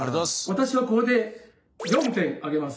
私はこれで４点あげます。